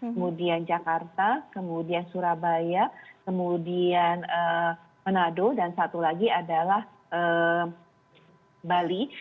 kemudian jakarta kemudian surabaya kemudian manado dan satu lagi adalah bali